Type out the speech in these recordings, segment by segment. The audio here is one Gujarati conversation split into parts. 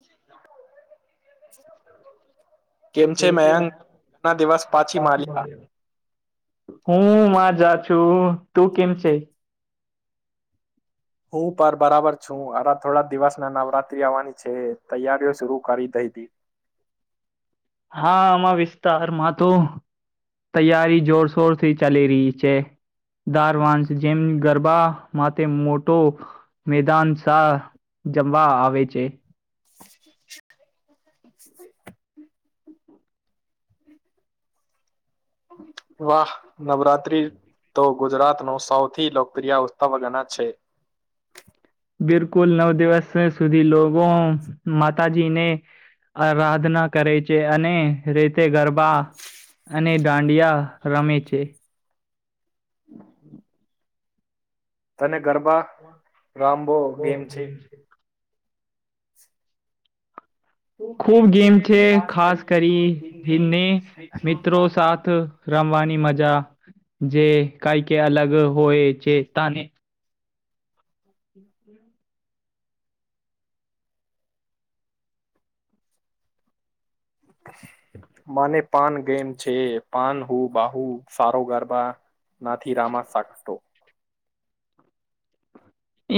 [unintelligible] કેમ છે મયંક ઘના દિવસ પાછી માર્યા. હું મા જા છું તું કેમ છે? હું પર બરાબર છું અરા થોડા દિવસ ના નવરાત્રી આવવાની છે તૈયારીઓ શરુ કરી દઈ હતી. હા આમાં વિસ્તારમાં તો તૈયારી જોરશોર થી ચાલી રહી છે, દાર વાંશ જેમ ગરબા માટે મોટો મેદાન શા, જમવા આવે છે. [inaudible] વાહ નવરાત્રી તો ગુજરાત ન સૌથી લોકપ્રિય ઉત્સવ ગણાય છે. બિલકુલ નવ દિવસ સુધી લોકો માતાજીને આરાધના કરે છે, અને રીતે ગરબા અને દાંડિયા રમે છે. [inaudible] તને ગરબા રમબો ગેમ છે? ખુબ ગેમ છે. ખાસ કરી હીને મિત્રો સાથ. રમવાની મજા જે કાંઈ કે અલગ હોય જેતાને. [inaudible] મને પન ગેમ છે, પન હું બાહુ સારો ગરબા નથી રમ શકતો.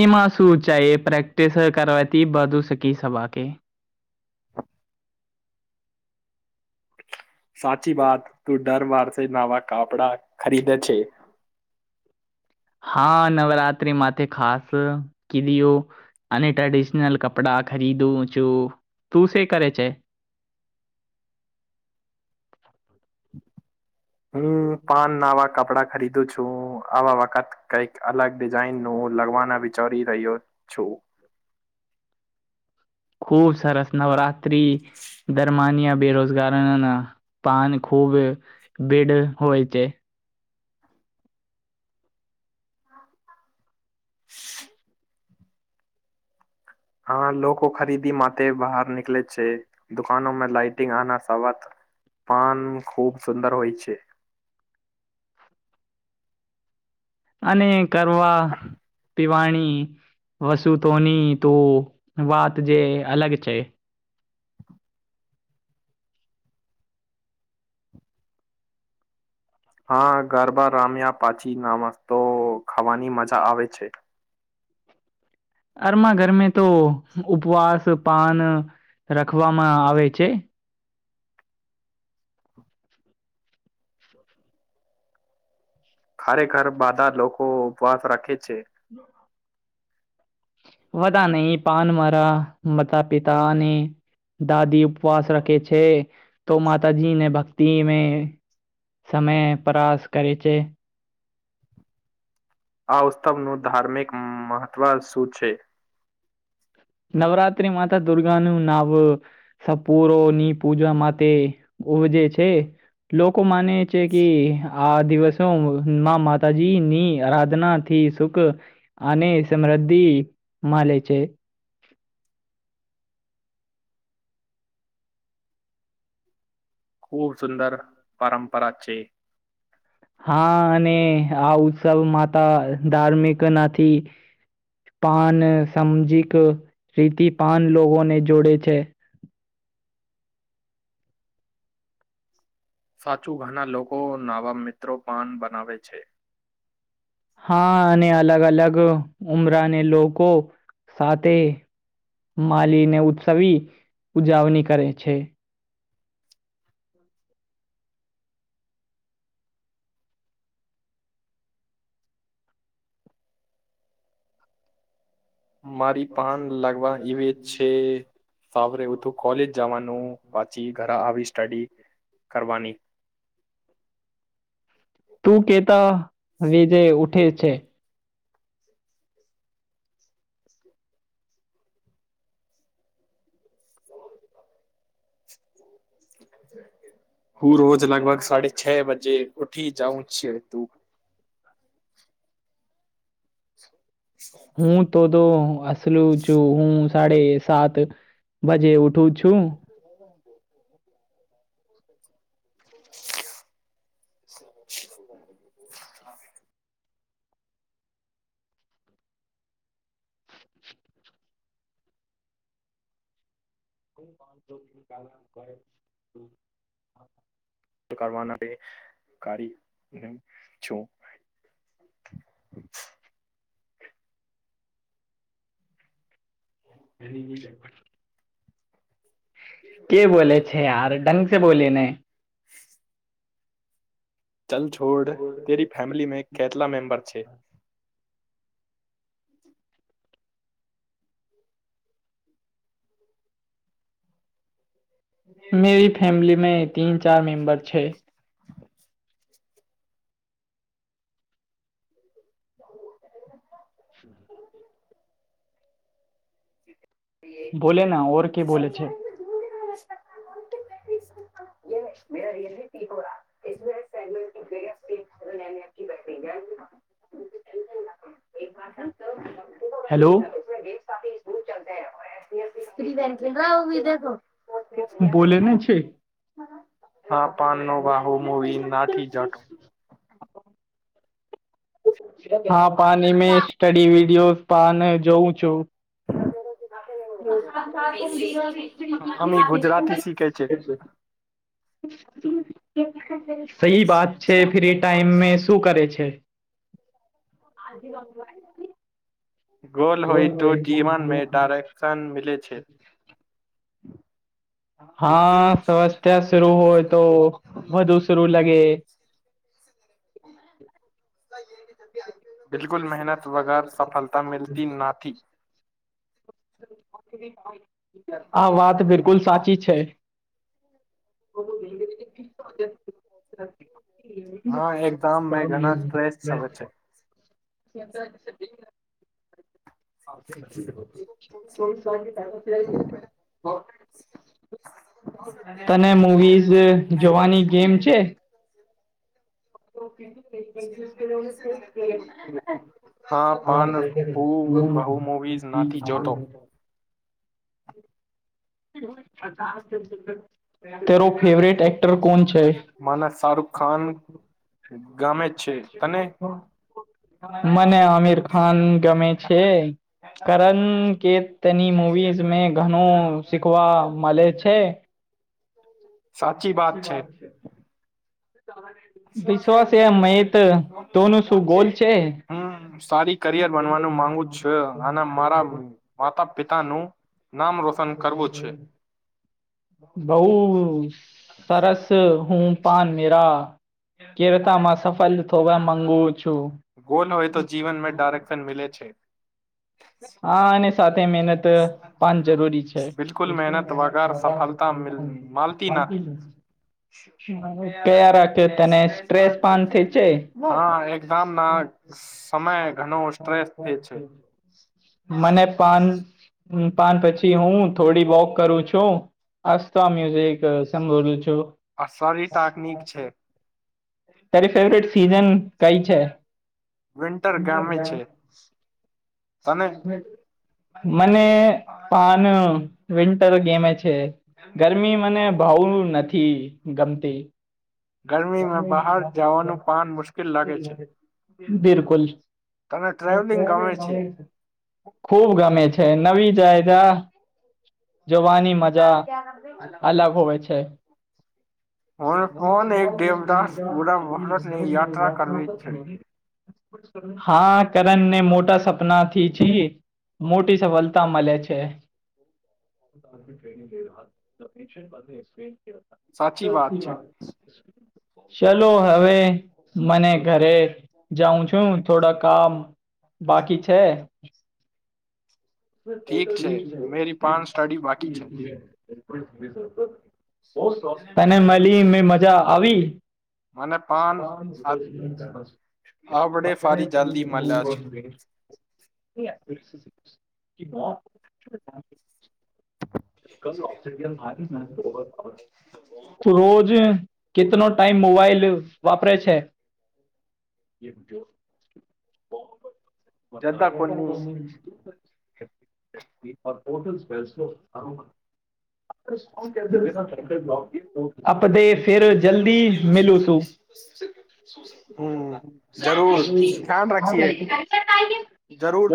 એમાં શું ચાય એ પ્રેક્ટિસ કરતી બધું શીખી સવા કે. સાચી વાત. તું દર વારથી નવા કાપડા ખરીદે છે. હા. નવરાત્રી માથે ખાસ કીડીયો અને ટ્રેડિશનલ કપડાં ખરીદું છું. તું શે કરે છે? હું પાન નવા કપડા ખરીદું છું. આવા વખત કંઈક અલગ ડિઝાઇનનું લગવાના વિચારી રહ્યો છું. ખૂ સરસ નવરાત્રી દરમાનિયા બેરોજગારના ના પાન ખૂબ બીડ હોય છે. [inaudible] હા. લોકો ખરીદી માટે બહાર નિકલેે છે, દુકાનો મે લાઇટિંગ આના સવાત પન ખૂબ સુંદર હોય છે. અને કરવા પીવાણી વસુતોની તું વાત જે અલગ છે. હા. ગરબા રામ્યા પાછી નાસ્તો ખાવાની મજા આવે છે. અરમા ઘરમે તો ઉપવાસ પાન રખવામાં આવે છે, [inaudible] ખરેખર બધા લોકો ઉપવાસ રાખે છે, [inaudible] બધા નહીં, પાન મારા માતા પિતા અને દાદી ઉપવાસ રખે છે, તો માતાજીને ભક્તિ મેં સમય પરાસ કરે છે. આ ઉત્સવનું ધાર્મિક મહત્વ શું છે? નવરાત્રી માતા દુર્ગાનું નાવ સપૂરો ની પૂજા માટે ઉજે છે. લોકો માને છે કે ઈ આ દિવસોમાં માતાજીની આરાધના થી સુખ અને સમૃદ્ધિ મલે છે. ખૂબ સુંદર પરંપરા છે. હા અને આ ઉત્સવ માતા ધાર્મિક નથી. પન સામજિક રીતિ પન લોકોને જોડે છે. સાચું. ઘણા લોકો નવા મિત્રો પણ બનાવે છે. હા. અને અલગ-અલગ ઉમરાને લોકો સાથે મલી ને ઉત્સવી ઉજવણી કરે છે. મારી પાન લગવા ઈવે છે [unintelligible] જાવાનું વાંચી ઘરા આવી સ્ટડી કરવાની. તું કે તો હવે જે ઉઠે છે હું રોજ લગભગ સાડી છહ બજે ઉઠી જઉં છું. તું? હું તો-તો અસલું છું. હું સાડે સાત બજે ઉઠું છું. [inaudible] [inaudible] કોતો [unintelligible] તો કરવા ન એ [unintelligible] છું. [inaudible] [unintelligible] કે બોલે છે, યાર ઢંગ સે બોલે ને. ચલ છોડ તેરી ફેમિલી મે કેટલા મેમ્બર છે. મેરી છે. [inaudible] બોલે ના ઓર કે બોલે છે. [inaudible] [inaudible] [inaudible] હેલો. [inaudible] બોલેને છે. હા પાન નો વાહો મોવી નાથી જાટો. હા પાન મે સ્ટડી વિડીયો પાન જોઉં છું. અમે ગુજરાતી શીખે છે. સહી વાત છે ફ્રી ટાઈમ મે શું કરે છે. [inaudible] ગોલ હોઈ તો જીવનમાં ડાયરેક્શન એ [unintelligible] હા [unintelligible] શરુ હોય તો વધુ શરું લાગે. [unintelligible] બિલકુલ મહેનત વગર સફળતા મલતી નાથી. [inaudible] આ વાત બિલકુલ સાચી છે. [inaudible] હા એક્ઝામ મે ઘણા સ્ટ્રેસ આવે છે [unintelligible] [unintelligible] [inaudible] તને મુવીઝ જોવાની ગેમ છે. [unintelligible] હા પણ હું બહુ મુવીઝ નથી જોતો [unintelligible] [unintelligible] તેરો ફેવરેટ એક્ટર કોણ છે. માને શાહરુખ ખાન ગામે છે તને. મને આમિર ખાન ગમે છે. કરન કેતની મૂવીઝ મે ઘણો શીખવા મળે છે. સાચી વાત છે. [inaudible] વિશ્વાસ એ મયત દોનું શું ગોલ છે હમ સારી કરિયર બનવાનું માંગુ છ અને મારા માતા પિતા નું બઉ સરસ હું પાન મેરા કેવતામાં સફલ થવા માગું છું. ગોલ હોય તો જીવનમાં ડરેક્સિન મિલેે છે. હા અને સાથે મહેનત પાન જરૂરી છે. બિલકુલ મહેનત વગર સફળતા મળતી નથી કયા રાખ તને સ્ટ્રેસ પણ થીક છે. હા એક્ઝામ ના સમય ઘણો સ્ટ્રેસ થઈ છે. મને પાન પાન પછી હું થોડી વોક કરું છું હસ્ તો મ્યુઝિક કેસન બોલું છું આ સારી ટાકનીક છે તારી ફેવરટ સીઝન કઈ છે? વિન્ટર ગામે છે. તને મને પાન વિન્ટર ગેમે છે. ગરમી મને બોવ નથી ગમતી. ગરમીમાં બહાર જવાનું પાન મુશ્કેલ લાગે છે બિલકુલ. તને ટ્રાવેલિંગ ગમે છે ખુબ ગમે છે નવી જયગા જવાની મજા અલગ હોય છે. હું કોણ એક દેવદાસ પૂરા ભારતની યાત્રા કરવી છે [unintelligible] હા કરણ ને મોટા સપના થી છીએ. મોટી સફળતા મળે છે. સાચી વાત છે [inaudible] ચલો હવે મને ઘરે જાઉં છું થોડા કામ બાકી છે. ઠીક છે મેરી પાન સ્ટડી બાકી છે [inaudible] બો શોક તને મળી ને મજા આવી. મને પાન પાસે [unintelligible] આપડે આપણે ફારી અન જલ્દી મળ્યા છે બિલુવુ બેસ [unintelligible] [inaudible] રોજે કેતનો ટાઈમ મોબાઈલ વાપરે છે. [inaudible] પણ જદા તારે ક્યાં કોની કોઈનું હોટલ સેપલસયો અરોમા એટલે [unintelligible] મિલું છું હમમ.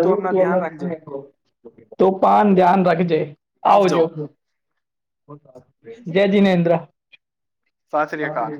તું આપના થી એનો ધ્યાન રાખજે રાખો. તો પણ ધ્યાન રાખજે આવજો. જય જિનેન્દ્ર. સાત શ્રી અકાલ